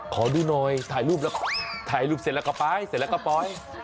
ขอดูหน่อยถ่ายรูปเสร็จแล้วก็ไปเสร็จแล้วก็ปล่อย